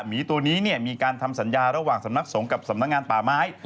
หมีตัวนี้มีการทำสัญญาระหว่างสำนักสงฆ์กับสำนักงานป่าไม้